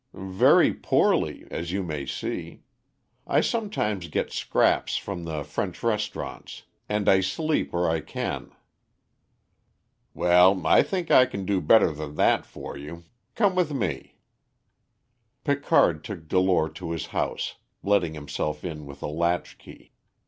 "Very poorly, as you may see. I sometimes get scraps from the French restaurants, and I sleep where I can." "Well, I think I can do better than that for you. Come with me." Picard took Delore to his house, letting himself in with a latchkey.